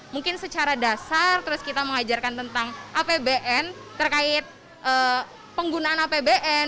mungkin secara dasar terus kita mengajarkan tentang apbn terkait penggunaan apbn